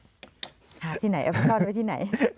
หาที่ไหนเอาไปซ่อนไว้ที่ไหน